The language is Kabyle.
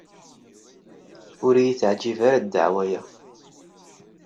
Ur iyi-teɛjib ara ddeɛwa-a.